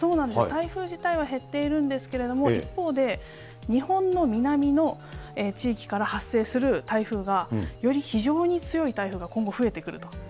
台風自体は減っているんですけれども、一方で、日本の南の地域から発生する台風が、より非常に強い台風が今後増えてくると。